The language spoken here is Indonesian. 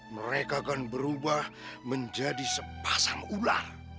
mereka akan berubah menjadi sepasang ular